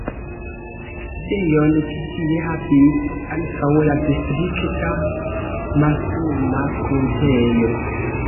Sidejon ĉi tie havis ankaŭ la Distrikta mastruma pruntejo.